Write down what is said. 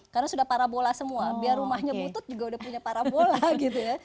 karena sudah parabola semua biar rumahnya butut juga sudah punya parabola gitu ya